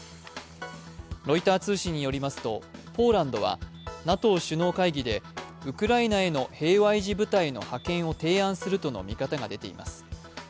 ロイター通信によりますとポーランドはＮＡＴＯ首脳会議でウクライナへの平和維持部隊の派遣を提案するとの見方が出ています。